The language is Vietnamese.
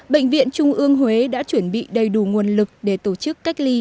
bệnh viện trung ương huế đã chuẩn bị đầy đủ nguồn lực để tổ chức cách ly